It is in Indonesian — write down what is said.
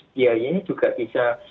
biayanya juga bisa